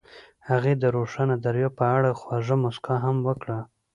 هغې د روښانه دریاب په اړه خوږه موسکا هم وکړه.